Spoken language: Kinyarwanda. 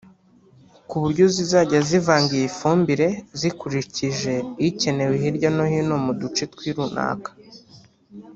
ku buryo zizajya zivanga iyi fumbire zikurikije ikenewe hirya no hino mu duce tw’irunaka